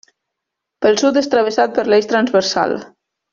Pel sud és travessat per l'Eix Transversal.